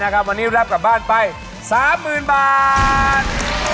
ใช่นะครับวันนี้รับกลับบ้านไป๓๐๐๐๐บาท